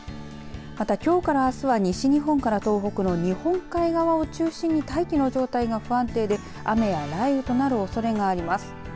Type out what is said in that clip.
また、きょうからあすは西日本から東北の日本海側を中心に大気の状態が不安定で雨や雷雨となるおそれがあります。